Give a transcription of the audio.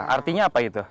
artinya apa itu